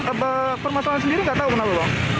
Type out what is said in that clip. apa permasalahan sendiri nggak tahu kenapa bang